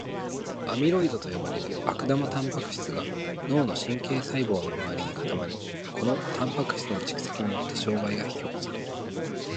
アミロイドと呼ばれる悪玉タンパク質が脳の神経細胞の周りに固まり、このタンパク質の蓄積によって障害が引き起こされる。